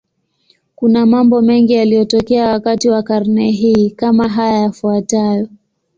Kuna mambo mengi yaliyotokea wakati wa karne hii, kama haya yafuatayo.